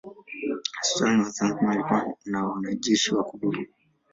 Sultani wa Zanzibar alikuwa na wanajeshi wa kudumu.